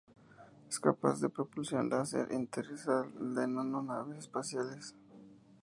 Es capaz de propulsión láser interestelar de nano naves espaciales.